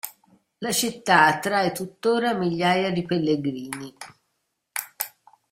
La città attrae tuttora migliaia di pellegrini.